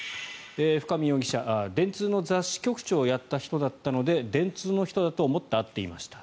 深見容疑者電通の雑誌局長をやった人なので電通の人だと思って会っていました。